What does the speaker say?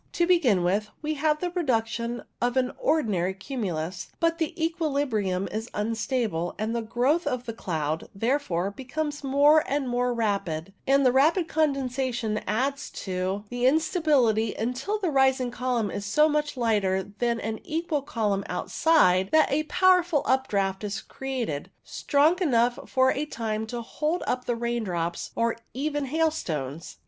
To begin with, we have the production of an ordinary cumulus, but the equilibrium is unstable, the growth of the cloud, therefore, becomes more and more rapid, and the rapid condensation adds to INSTABILITY 113 the instability until the rising column is so much lighter than an pqual column outside that a powerful updraught is created, strong enough for a time to hold up the raindrops or even hailstones.